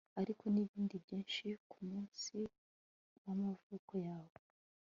ariko nibindi byinshi kumunsi wamavuko yawe